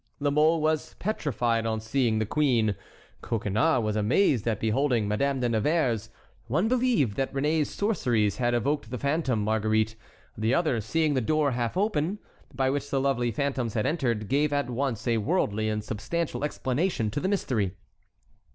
La Mole was petrified on seeing the queen; Coconnas was amazed at beholding Madame de Nevers. One believed that Réné's sorceries had evoked the phantom Marguerite; the other, seeing the door half open, by which the lovely phantoms had entered, gave at once a worldly and substantial explanation to the mystery.